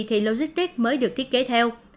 thì logistic mới được thiết kế theo